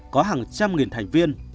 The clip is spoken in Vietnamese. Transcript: có hàng trăm nghìn thành viên